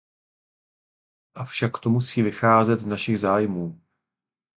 Avšak to musí vycházet z našich zájmů.